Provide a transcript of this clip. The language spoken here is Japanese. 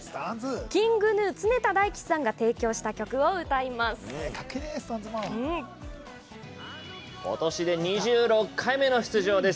ＫｉｎｇＧｎｕ常田大希さんが提供した曲を歌います今年で２６回目の出場です。